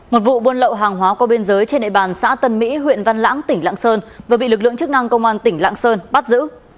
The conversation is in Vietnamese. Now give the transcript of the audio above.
một vụ buôn lậu hàng hóa qua biên giới trên đại bàn xã tân mỹ huyện văn lãng tỉnh lãng sơn và bị lực lượng chức năng công an tỉnh lãng sơn bắt giữ